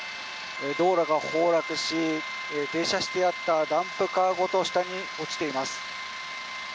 道路が崩落し停車してあったダンプカーごと下に落ちています。